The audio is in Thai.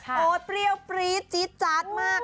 โอ้โหเปรี้ยวปรี๊ดจี๊ดจาดมาก